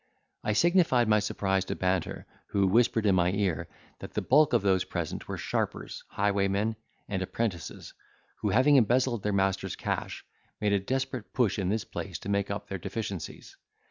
I signified my surprise to Banter, who whispered in my ear, that the bulk of those present were sharpers, highwaymen, and apprentices, who, having embezzled their master's cash, made a desperate push in this place to make up their deficiencies.